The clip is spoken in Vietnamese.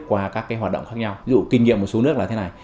qua các hoạt động khác nhau ví dụ kinh nghiệm một số nước là thế này